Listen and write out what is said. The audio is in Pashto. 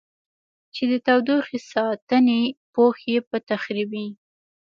چې د تودوخې ساتنې پوښ یې په تخریبي